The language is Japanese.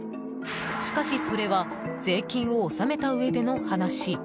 しかし、それは税金を納めたうえでの話。